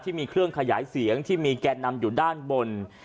ที่มีเครื่องขยายเสียงที่มีแก่นำอยู่ด้านบน